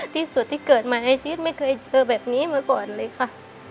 ที่สุดที่เกิดมาในชีวิตไม่เคยเจอแบบนี้มาก่อนเลยค่ะ